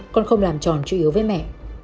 con không làm tròn chủ yếu với mẹ